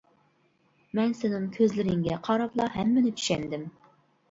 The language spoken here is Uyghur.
مەن سېنىڭ كۆزلىرىڭگە قاراپلا ھەممىنى چۈشەندىم.